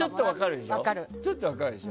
でも、ちょっと分かるでしょ。